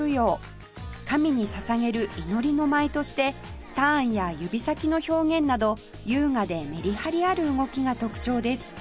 神に捧げる祈りの舞としてターンや指先の表現など優雅でメリハリある動きが特徴です